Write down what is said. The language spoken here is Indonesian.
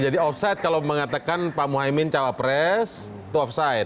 jadi offset kalau mengatakan pak muhaymin capres itu offset